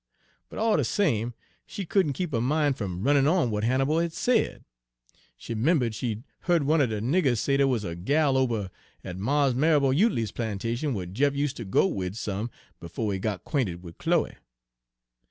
But all de same, she couldn' keep her min' fum runnin' on w'at Hannibal had said. She 'membered she'd heared one er de niggers say dey wuz a gal ober at Page 216 Mars' Marrabo Utley's plantation w'at Jeff use' ter go wid some befo' he got 'quainted wid Chloe.